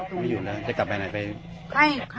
ก็ไม่อยู่แล้วจะกลับไปไหนไป